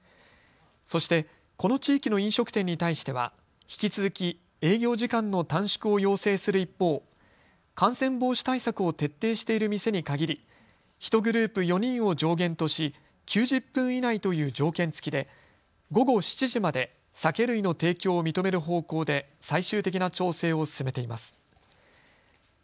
そして、この地域の飲食店に対しては引き続き営業時間の短縮を要請する一方、感染防止対策を徹底している店に限り、１グループ４人を上限とし９０分以内という条件付きで午後７時まで酒類の提供を認める方向で最終的な調整を進めています。